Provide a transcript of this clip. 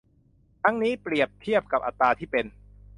ทั้งนี้เปรียบเทียบกับอัตราที่เป็น